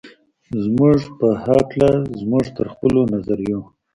زموږ په هکله زموږ تر خپلو نظریو.